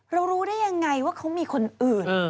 รู้ได้ยังไงว่าเขามีคนอื่น